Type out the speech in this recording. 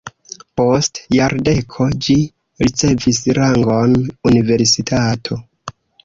Post jardeko ĝi ricevis rangon universitato.